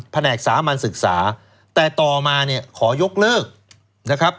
ภนักสามารย์ศึกษาแต่ต่อมาขอยกเลิกนะครับ